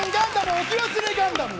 置き忘れガンダム！